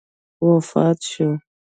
وفات شو.